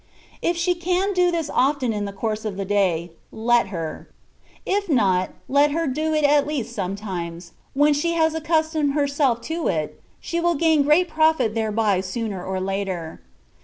If she can do this often in the course of the day, let her ; if not, let her do it at least some times; when she has accustomed herself to it, she will gain great profit thereby sooner or later.